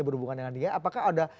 berhubungan dengan dia apakah ada